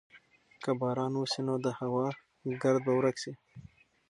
که باران وسي نو د هوا ګرد به ورک سي.